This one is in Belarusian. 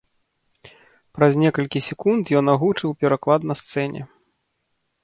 Праз некалькі секунд ён агучыў пераклад на сцэне.